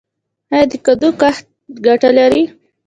آیا د کدو کښت ګټه لري؟